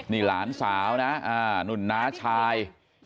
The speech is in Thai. นี่หลานสาวนะนุ่นน้าชาย